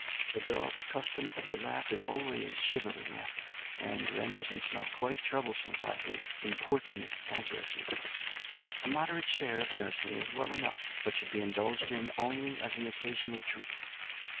A dog accustomed to the lap is always shivering after it, and renders himself quite troublesome by his importunate addresses. A moderate share of nursing is well enough, but should be indulged in only as an occasional treat.